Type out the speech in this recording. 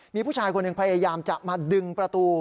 มีผู้ชายคนหนึ่งพยายามจะมาดึงประตู